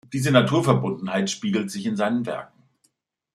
Diese Naturverbundenheit spiegelt sich in seinen Werken.